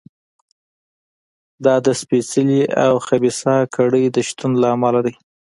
دا د سپېڅلې او خبیثه کړۍ د شتون له امله دی.